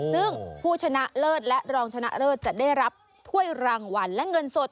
ซึ่งผู้ชนะเลิศและรองชนะเลิศจะได้รับถ้วยรางวัลและเงินสด